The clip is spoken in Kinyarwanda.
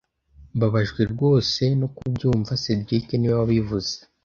Mbabajwe rwose no kubyumva cedric niwe wabivuze